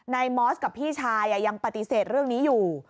มอสกับพี่ชายยังปฏิเสธเรื่องนี้อยู่